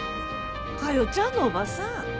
加代ちゃんの伯母さん。